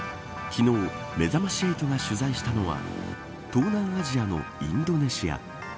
昨日、めざまし８が取材したは東南アジアのインドネシア。